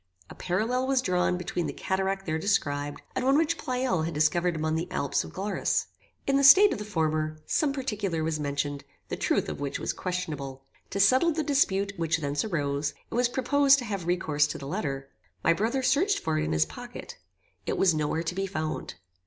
A parallel was drawn between the cataract there described, and one which Pleyel had discovered among the Alps of Glarus. In the state of the former, some particular was mentioned, the truth of which was questionable. To settle the dispute which thence arose, it was proposed to have recourse to the letter. My brother searched for it in his pocket. It was no where to be found.